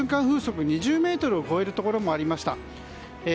風速２０メートルを超えるところもありました。